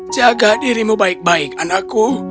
jaga dirimu baik baik anakku